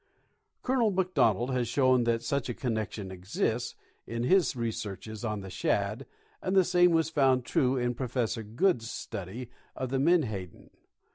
Colonel McDonald has shown that such a connection exists, in his researches on the shad, and the same was found true in Professor Goode's study of the menhaden.